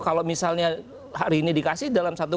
kalau misalnya hari ini dikasih dalam satu kali dua puluh empat jam